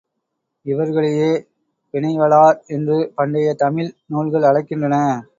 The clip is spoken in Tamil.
இவர்களையே வினைவலார் என்று பண்டைய தமிழ் நூல்கள் அழைக்கின்றன.